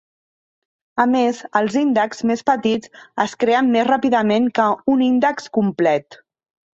A més, els índexs més petits es creen més ràpidament que un índex complet.